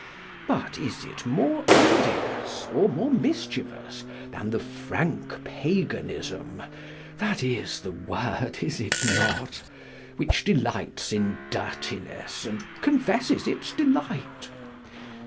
But is it more odious or more mischievous than the "frank Paganism" (that is the word, is it not?) which delights in dirtiness and confesses its delight?